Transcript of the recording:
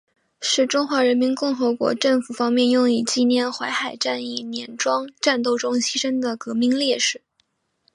是中华人民共和国政府方面用以纪念淮海战役碾庄战斗中牺牲的革命烈士。